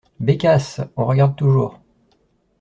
Bécasse ! on regarde toujours.